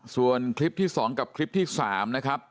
ส่วนคลิปที่๒กับคลิปที่๓นะครับ